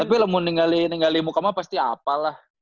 tapi kalau mau tinggalin mukamah pasti apal lah